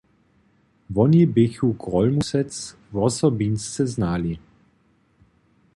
Woni běchu Grólmusec wosobinsce znali.